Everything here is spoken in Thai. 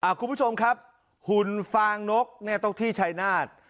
คุณผู้ชมครับหุ่นฟางนกเนี่ยต้องที่ชายนาฏ